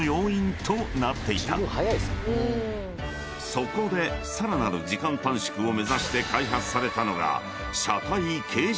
［そこでさらなる時間短縮を目指して開発されたのが］